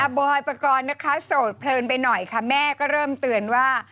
บอยปกรณ์นะคะโสดเพลินไปหน่อยค่ะแม่ก็เริ่มเตือนว่า